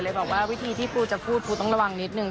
บอกว่าวิธีที่ปูจะพูดปูต้องระวังนิดนึง